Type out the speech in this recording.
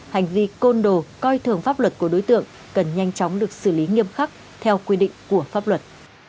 hành vi côn đồ coi thường pháp luật của đối tượng cần nhanh chóng được xử lý nghiêm khắc theo quy định của pháp luật